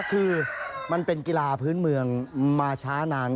คือมันเป็นกีฬาพื้นเมืองมาช้านาน